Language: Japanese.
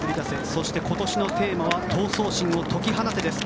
そして、今年のテーマは「闘争心をとき放て」です。